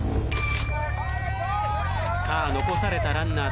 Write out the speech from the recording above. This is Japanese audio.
さあ残されたランナーたちです。